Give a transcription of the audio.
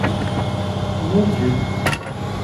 Mon Dieu.